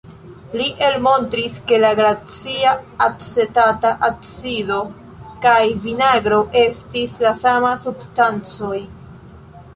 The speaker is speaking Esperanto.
Li elmontris ke la glacia acetata acido kaj vinagro estis la sama substancoj.